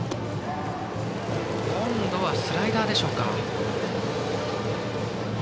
今度はスライダーでしょうか。